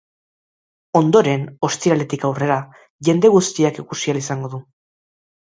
Ondoren, ostiraletik aurrera, jende guztiak ikusi ahal izango du.